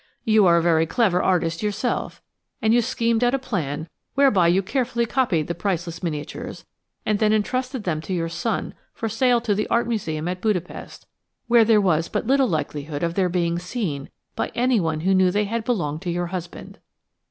You are a clever artist yourself, and you schemed out a plan whereby you carefully copied the priceless miniatures and then entrusted them to your son for sale to the Art Museum at Budapest, where there was but little likelihood of their being seen by anyone who knew they had belonged to your husband.